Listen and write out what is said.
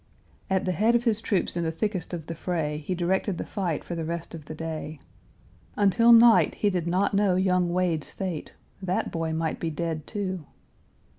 At the head of his troops in the thickest of the fray he directed the fight for the rest of the day. Until night he did not know young Wade's fate; that boy might be dead, too!